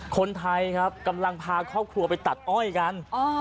คนไทยครับกำลังพาครอบครัวไปตัดอ้อยกัน